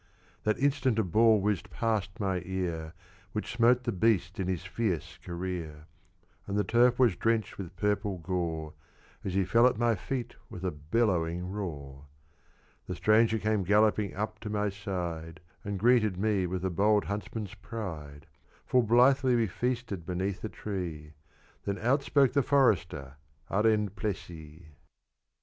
That instant a ball whizzed past my ear, Which smote the beast in his fierce career; And the turf was drenched with purple gore, As he fell at my feet with a bellowing roar. The stranger came galloping up to my side, And greeted me with a bold huntsman's pride: Full blithely we feasted beneath a tree; Then out spoke the Forester, Arend Plessie.